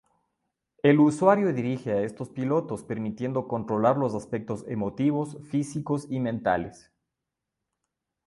El usuario dirige a estos pilotos, permitiendo controlar los aspectos emotivos, físicos y mentales.